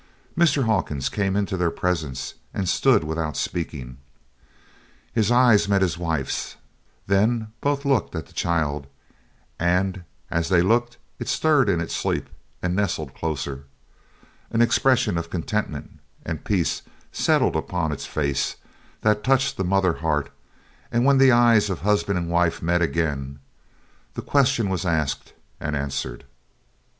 Mr. Hawkins came into their presence and stood without speaking. His eyes met his wife's; then both looked at the child and as they looked it stirred in its sleep and nestled closer; an expression of contentment and peace settled upon its face that touched the mother heart; and when the eyes of husband and wife met again, the question was asked and answered.